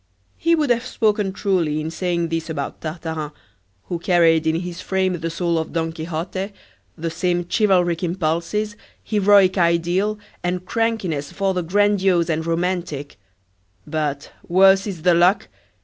He would have spoken truly in saying this about Tartarin, who carried in his frame the soul of Don Quixote, the same chivalric impulses, heroic ideal, and crankiness for the grandiose and romantic; but, worse is the luck!